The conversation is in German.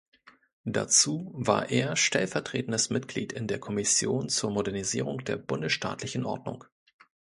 Dazu war er stellvertretendes Mitglied in der Kommission zur Modernisierung der bundesstaatlichen Ordnung.